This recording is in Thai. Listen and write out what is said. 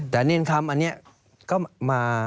แต่เนรคำอันนี้ก็มา